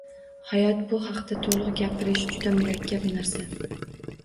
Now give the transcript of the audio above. Hayot bu haqda to'liq gapirish juda murakkab narsa.